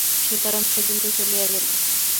সীতারাম সেদিন তো চলিয়া গেল।